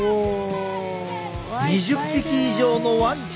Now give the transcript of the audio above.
２０匹以上のワンちゃんが。